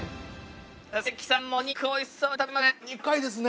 関さんもお肉美味しそうに食べますね。